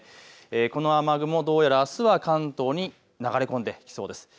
この雨雲、どうやらあすは関東に流れ込んできそうです。